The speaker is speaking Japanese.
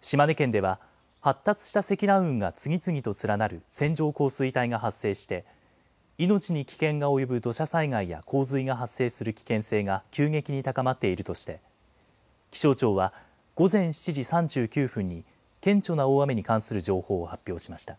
島根県では発達した積乱雲が次々と連なる線状降水帯が発生して命に危険が及ぶ土砂災害や洪水が発生する危険性が急激に高まっているとして気象庁は午前７時３９分に顕著な大雨に関する情報を発表しました。